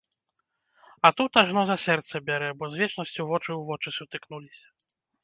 А тут ажно за сэрца бярэ, бы з вечнасцю вочы ў вочы сутыкнуліся.